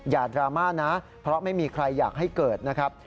ดราม่านะเพราะไม่มีใครอยากให้เกิดนะครับ